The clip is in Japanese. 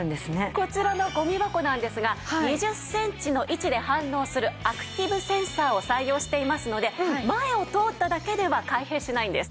こちらのゴミ箱なんですが２０センチの位置で反応するアクティブセンサーを採用していますので前を通っただけでは開閉しないんです。